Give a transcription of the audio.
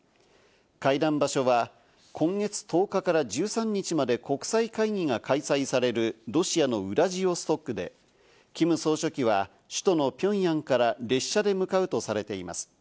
会談場所は今月１０日から１３日まで国際会議が開催されるロシアのウラジオストクで、キム総書記は首都のピョンヤンから列車で向かうとされています。